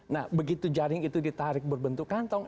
nah begitu jaring itu ditarik berbentuk kantong